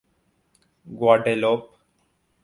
Guadeloupe